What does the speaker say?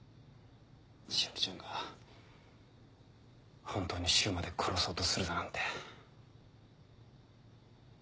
詩織ちゃんが本当に柊まで殺そうとするだなんて。